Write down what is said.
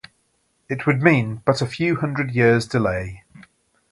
It would mean but a few hundred years’ delay.